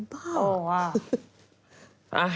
บ้าวอ่ะ